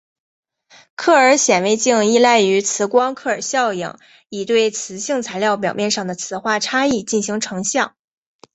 克尔显微镜依赖于磁光克尔效应以对磁性材料表面上的磁化差异进行成像。